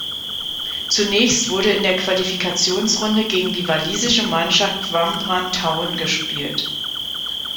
Zunächst wurde in der Qualifikationsrunde gegen die walisische Mannschaft Cwmbran Town gespielt.